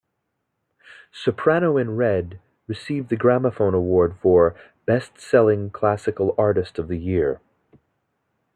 "Soprano in Red" received the Gramophone Award for "Best-selling Classical Artist of the Year".